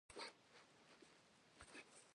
Kasser dene?